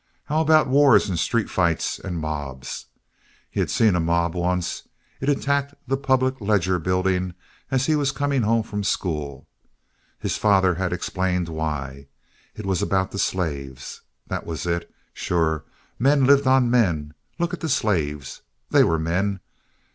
How about wars and street fights and mobs? He had seen a mob once. It attacked the Public Ledger building as he was coming home from school. His father had explained why. It was about the slaves. That was it! Sure, men lived on men. Look at the slaves. They were men.